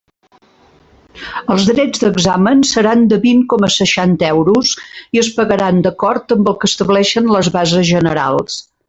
Els drets d'examen seran de vint coma seixanta euros i es pagaran d'acord amb el que establixen les bases generals.